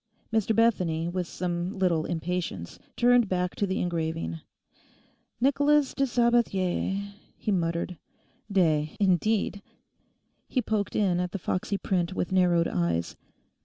Mr Bethany, with some little impatience, turned back to the engraving. '"Nicholas de Sabathier,"'s he muttered. '"De," indeed!' He poked in at the foxy print with narrowed eyes.